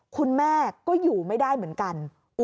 คุณแม่ก็อยู่ไม่ได้เหมือนกัน